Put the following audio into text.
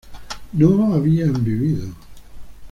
no habían vivido